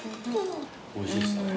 おいしいっすね。